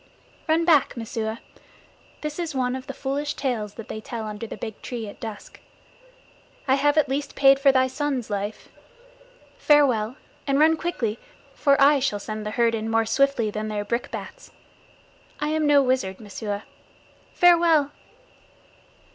"Run back, Messua. This is one of the foolish tales they tell under the big tree at dusk. I have at least paid for thy son's life. Farewell; and run quickly, for I shall send the herd in more swiftly than their brickbats. I am no wizard, Messua. Farewell!"